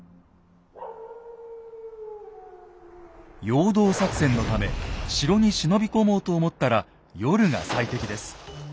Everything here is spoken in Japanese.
陽動作戦のため城に忍び込もうと思ったら夜が最適です。